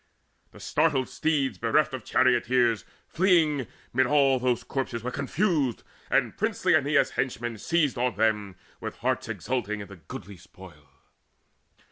The startled steeds, bereft of charioteers, Fleeing, mid all those corpses were confused, And princely Aeneas' henchmen seized on them With hearts exulting in the goodly spoil.